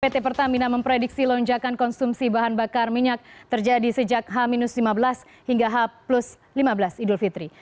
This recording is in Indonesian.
pt pertamina memprediksi lonjakan konsumsi bahan bakar minyak terjadi sejak h lima belas hingga h lima belas idul fitri